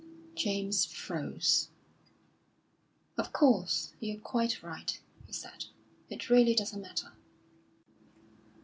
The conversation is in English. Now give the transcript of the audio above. James froze. "Of course, you're quite right," he said. "It really doesn't matter."